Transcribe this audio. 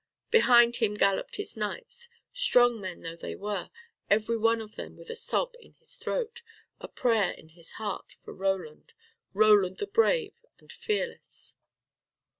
Behind him galloped his knights strong men though they were, every one of them with a sob in his throat, a prayer in his heart, for Roland, Roland the brave and fearless.